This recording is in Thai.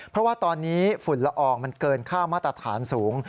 เพราะว่าตอนนี้ฝุ่นละอองมันเกินค่ามาตรฐานสูง